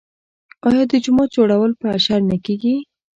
آیا د جومات جوړول په اشر نه کیږي؟